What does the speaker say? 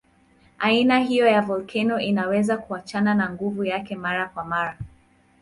Aina hiyo ya volkeno inaweza kuachana na nguvu yake mara kwa mara.